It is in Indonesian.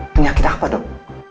penyakit apa dok